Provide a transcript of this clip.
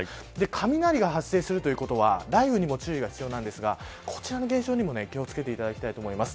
雷が発生するということは雷雨の注意が必要ですがこちらの現象にも、気を付けていただきたいと思います。